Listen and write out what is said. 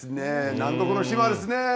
南国の島ですね。